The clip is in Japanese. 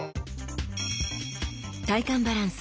体幹バランス！